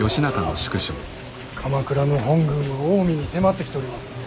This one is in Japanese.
鎌倉の本軍は近江に迫ってきております。